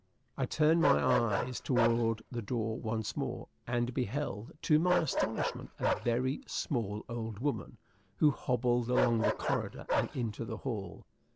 I turned my eyes toward the door once more, and beheld, to my astonishment, a very small old woman, who hobbled along the corridor and into the hall.